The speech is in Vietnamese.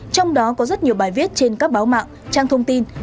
trong đó có rất nhiều bài viết trên các báo mạng trang thông tin hay trang web